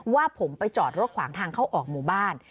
ว่าผมไปจอดรถขวางทางเข้าออกหมู่บ้าน